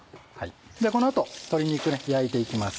ではこの後鶏肉焼いていきます。